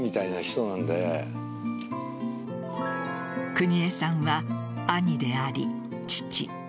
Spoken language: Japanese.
邦衛さんは、兄であり父。